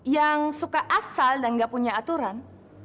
yang suka asal dan nggak punya aturan